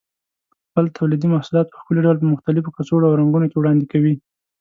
خپل تولیدي محصولات په ښکلي ډول په مختلفو کڅوړو او رنګونو کې وړاندې کوي.